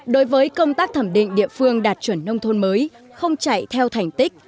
đối với công tác thẩm định địa phương đạt chuẩn nông thôn mới không chạy theo thành tích